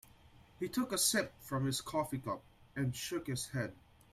He took a sip from his coffee cup and shook his head.